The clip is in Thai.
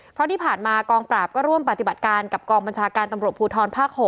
เพราะที่ผ่านมากองปราบก็ร่วมปฏิบัติการกับกองบัญชาการตำรวจภูทรภาค๖